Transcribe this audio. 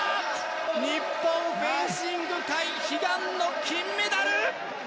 日本フェンシング界、悲願の金メダル！